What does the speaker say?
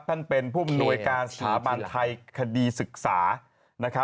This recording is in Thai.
ท่านเป็นผู้อำนวยการสถาบันไทยคดีศึกษา